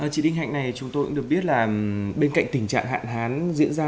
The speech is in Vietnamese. chị đinh hạnh này chúng tôi cũng được biết là bên cạnh tình trạng hạn hán diễn ra